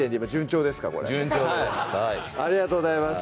ありがとうございます